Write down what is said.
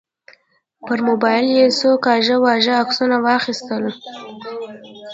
پر موبایل یې څو کاږه واږه عکسونه واخیستل.